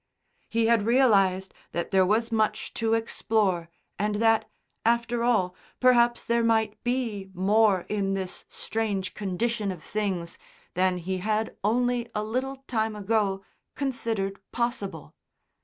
He had realised that there was much to explore and that, after all, perhaps there might be more in this strange condition of things than he had only a little time ago considered possible.